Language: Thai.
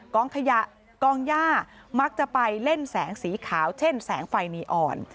ขยะกองย่ามักจะไปเล่นแสงสีขาวเช่นแสงไฟนีอ่อน